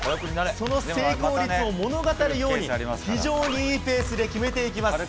その成功率を物語るように、非常にいいペースで決めていきます。